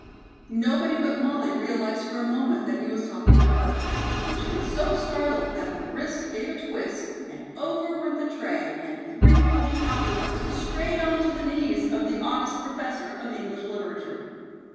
Nobody but Molly realized for a moment that he was talking to her, and she was so startled that her wrist gave a twist and over went the tray and three full coffee cups straight on to the knees of the august Professor of English Literature.